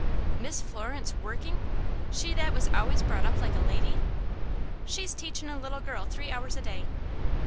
"Miss Florence workin'! She that was always brought up like a lady!" "She's teachin' a little girl three hours a day."